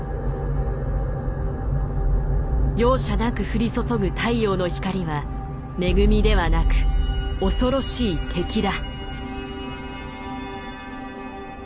容赦なく降り注ぐ太陽の光は恵みではなく恐ろしい敵だ。